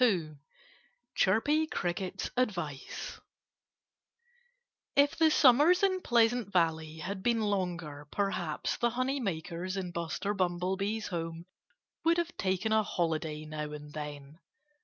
II CHIRPY CRICKET'S ADVICE If the summers in Pleasant Valley had been longer perhaps the honey makers in Buster Bumblebee's home would have taken a holiday now and then.